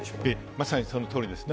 まさにそのとおりですね。